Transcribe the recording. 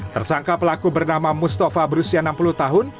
tersangka pelaku bernama mustafa berusia enam puluh tahun